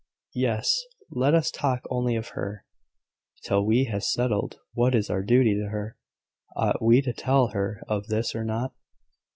"Yes: let us talk only of her, till we have settled what is our duty to her. Ought we to tell her of this or not?"